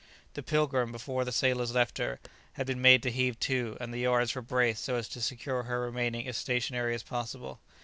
The "Pilgrim," before the sailors left her, had been made to heave to, and the yards were braced so as to secure her remaining as stationary as possible.